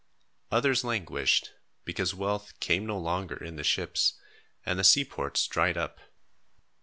Others languished, because wealth came no longer in the ships, and the seaports dried up.